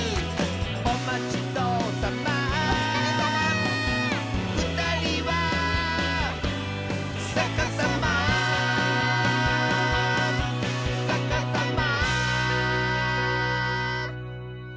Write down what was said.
「おまちどおさま」「おつかれさま」「ふたりはさかさま」「さかさま」